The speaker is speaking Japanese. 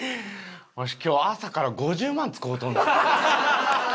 わし今日朝から５０万使うとんねん。